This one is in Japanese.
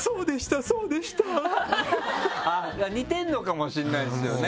似てるのかもしれないですよね！